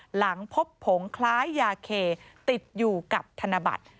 หลังพบผงคล้ายยาเคติดอยู่กับธนบัตร